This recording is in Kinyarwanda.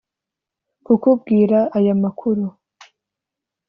kukubwira aya makuru,